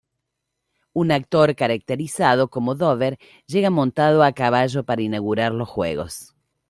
Un actor caracterizado como Dover llega montado a caballo para inaugurar los Juegos.